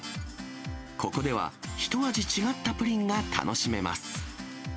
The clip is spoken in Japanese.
ここでは一味違ったプリンが楽しめます。